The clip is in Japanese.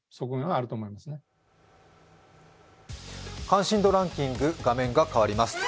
関心度ランキング、画面が変わります。